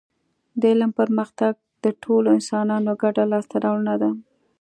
د علم پرمختګ د ټولو انسانانو ګډه لاسته راوړنه ده